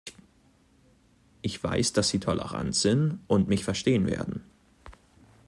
Ich weiß, dass Sie tolerant sind und mich verstehen werden.